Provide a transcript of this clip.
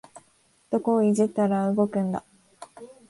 どこをいじったら動くんだ